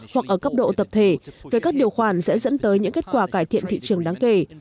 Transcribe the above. hoặc ở cấp độ tập thể về các điều khoản sẽ dẫn tới những kết quả cải thiện thị trường đáng kể